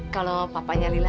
kalau papanya lila